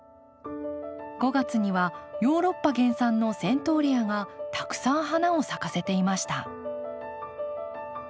５月にはヨーロッパ原産のセントーレアがたくさん花を咲かせていました。